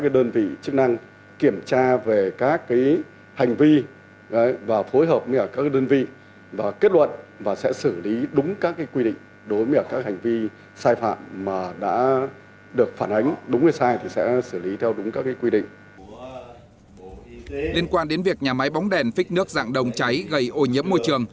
liên quan đến việc nhà máy bóng đèn phích nước dạng đồng cháy gây ô nhiễm môi trường